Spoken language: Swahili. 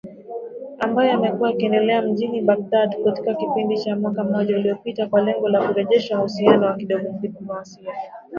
ambayo yamekuwa yakiendelea mjini Baghdad katika kipindi cha mwaka mmoja uliopita kwa lengo la kurejesha uhusiano wa kidiplomasia.